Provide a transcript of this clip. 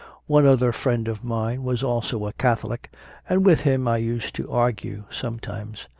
One other friend of mine also was a Catholic, and with him I used to argue sometimes.